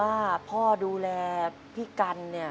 คุณหมอบอกว่าเอาไปพักฟื้นที่บ้านได้แล้ว